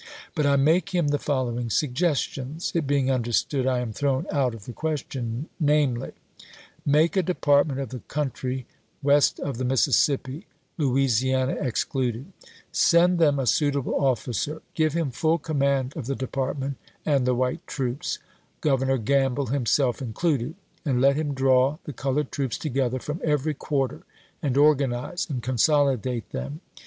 But I make him the following suggestions — it being understood I am thrown out of the question — namely : Make a Department of the country west of the Mississippi, Louisiana excluded; send them a suitable officer, give him full command of the Department and the white troops — Governor G amble himself included — and let him di'aw the colored troops together from every quarter, and organize and consolidate them.